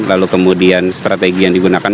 lalu kemudian strategi yang digunakan